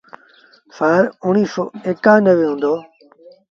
سآل اُڻيٚه سو ايڪآنوي هُݩدو۔